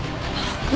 何？